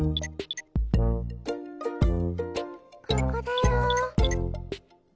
ここだよ。